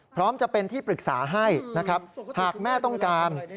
พร้อมจะเป็นที่ปรึกษาให้นะครับหากแม่ต้องการ